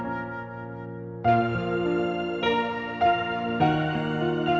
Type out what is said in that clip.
aku akan mencoba semuanya